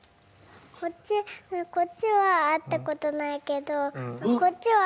こっちこっちは会った事ないけどこっちは。